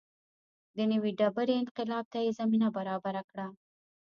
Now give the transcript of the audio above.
د نوې ډبرې انقلاب ته یې زمینه برابره کړه.